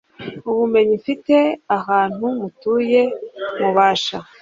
ubumenyi mfite, ahantu mutuye mubasha